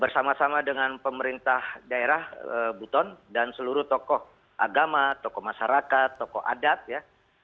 bersama sama dengan pemerintah daerah buton dan seluruh tokoh agama tokoh masyarakat tokoh adat ya